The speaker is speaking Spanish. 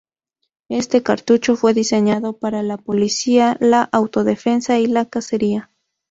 Este cartucho fue diseñado para la policía, la autodefensa y la cacería.